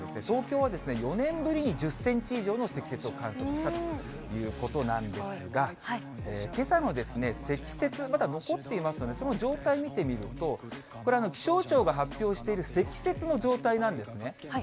東京は４年ぶりに１０センチ以上の積雪を観測したということなんですが、けさも積雪、まだ残っていますので、その状態見てみると、これ、気象庁が発表している積雪の状態なんですね。